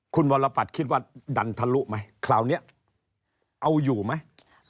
คุณวรปัตรคิดว่าดันทะลุไหมคราวนี้เอาอยู่ไหม